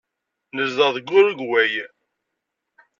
Nezdeɣ deg Urugway.